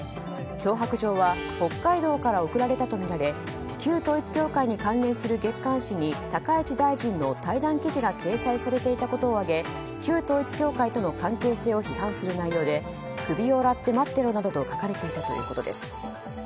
脅迫状は北海道から送られたとみられ旧統一教会に関連する月刊誌に高市大臣の対談記事が掲載されていたことを挙げ旧統一教会との関係性を批判する内容で首を洗って待っていろなどと書かれていたということです。